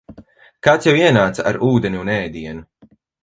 Kāds jau ienāca ar ūdeni un ēdienu.